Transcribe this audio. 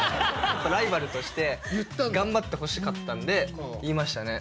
ライバルとして頑張ってほしかったんで言いましたね